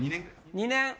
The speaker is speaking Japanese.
２年。